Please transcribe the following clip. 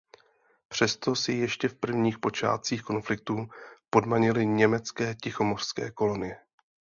Přesto si ještě v prvních počátcích konfliktu podmanili německé tichomořské kolonie.